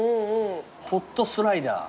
ホットスライダー。